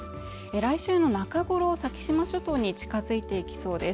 来週の中頃先島諸島に近づいていきそうです